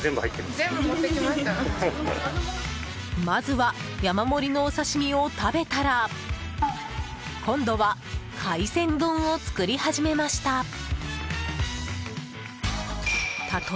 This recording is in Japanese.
まずは山盛りのお刺し身を食べたら今度は海鮮丼を作り始めました。